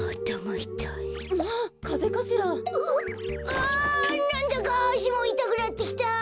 あなんだかあしもいたくなってきた！